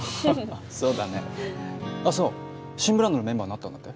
そうだねあっそう新ブランドのメンバーになったんだって？